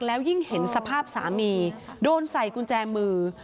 แล้วยิ่งเห็นสภาพสามีโดนใส่กุญแจมือ